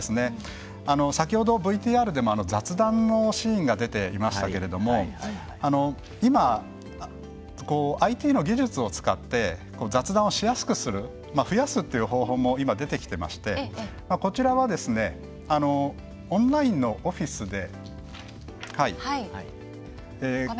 先ほどＶＴＲでも雑談のシーンが出ていましたけども今、ＩＴの技術を使って雑談をしやすくする増やすという方法も今、出てきていましてこちらはオンラインのオフィスで。